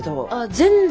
全然。